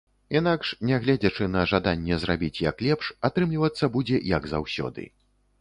Інакш, нягледзячы на жаданне зрабіць як лепш, атрымлівацца будзе як заўсёды.